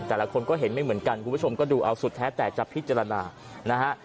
แต่ละคนก็เห็นไม่เหมือนกันคุณผู้ชมก็ดูเอาสุดแท้แต่จะพิจารณานะฮะ